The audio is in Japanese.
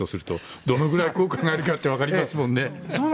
どのぐらい効果があるか分かりますもんね。